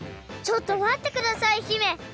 ちょっとまってください姫！